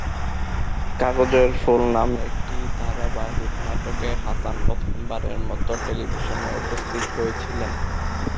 কাগজের ফুল নামে একটি ধারাবাহিক নাটকে হাসান প্রথমবারের মতো টেলিভিশনে উপস্থিত হয়েছিলেন।